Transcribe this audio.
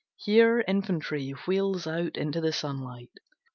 Here infantry Wheels out into the sunlight.